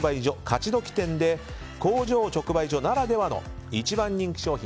勝どき店で工場直売所ならではの１番人気商品